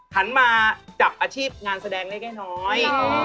หันมาจับอาชีพงานแสดงเล็กน้อย